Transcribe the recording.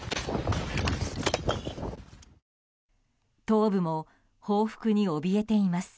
東部も報復におびえています。